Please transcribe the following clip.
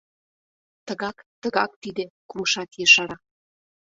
— Тыгак, тыгак тиде! — кумшат ешара.